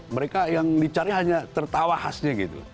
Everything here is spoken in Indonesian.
mereka yang dicari hanya tertawa khasnya gitu